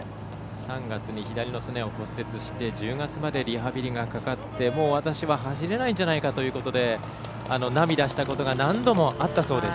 ３月に左のすねを骨折して１０月までリハビリがかかってもう私は走れないんじゃないかということで涙したことが何度もあったそうです。